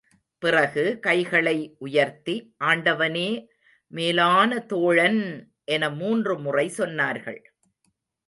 பிறகு கைகளை உயர்த்தி, ஆண்டவனே மேலான தோழன்! என மூன்று முறை சொன்னார்கள்.